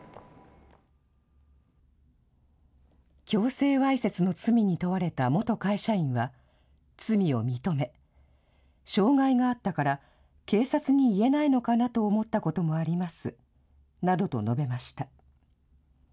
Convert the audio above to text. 強制わいせつの罪に問われた元会社員は、罪を認め、障害があったから、警察に言えないのかなと思ったこともありますなどと述べました。